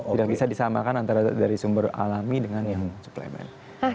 tidak bisa disamakan antara dari sumber alami dengan yang suplemen